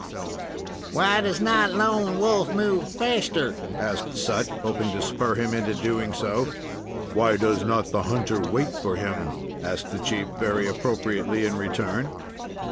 "Why does not Lone Wolf move faster?" asked Sut, hoping to spur him into doing so. "Why does not the hunter wait for him?" asked the chief, very appropriately, in return.